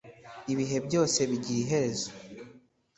Ibihe byose bigira iherezo.